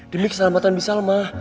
demi keselamatan bi salma